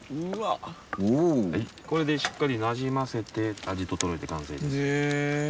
これでしっかりなじませて味調えて完成です。